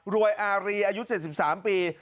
อายอารีอายุ๗๓ปี